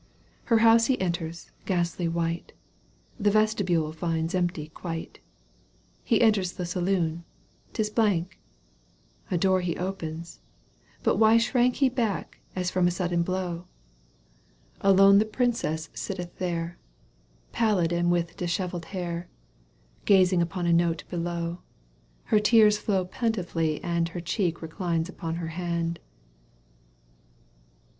Her house he enters, ghastly white, The vestibule finds empty quite — He enters the saloon. 'Tis blank ! A door he opens. But why shrank He back as from a sudden blow ?— Digitized by VjOOQ 1С CANTO viu. EUGENE ONEGUINE. 247 Alone the princess sitteth there, Pallid and with dishevelled hair, Gazing upon a note below. Her tears flow plentifully and у Her cheek reclines upon her hand.